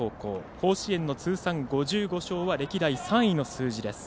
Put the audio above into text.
甲子園の通算５５勝は歴代３位の数字です。